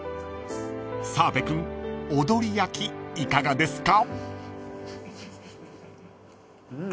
［澤部君踊り焼きいかがですか？］